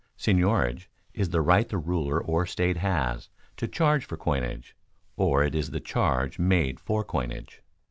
_Seigniorage is the right the ruler or state has to charge for coinage, or it is the charge made for coinage.